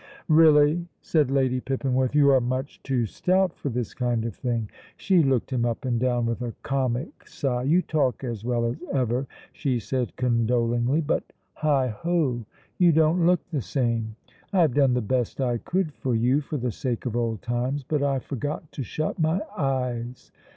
"Really," said Lady Pippinworth, "you are much too stout for this kind of thing." She looked him up and down with a comic sigh. "You talk as well as ever," she said condolingly, "but heigh ho, you don't look the same. I have done the best I could for you for the sake of old times, but I forgot to shut my eyes.